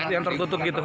yang tertutup gitu